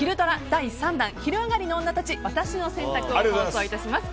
第３弾「昼上がりのオンナたちワタシの選択」を放送します。